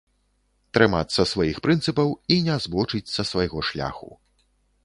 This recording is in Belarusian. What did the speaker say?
Трымацца сваіх прынцыпаў і не збочыць са свайго шляху.